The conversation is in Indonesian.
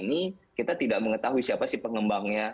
ini kita tidak mengetahui siapa sih pengembangnya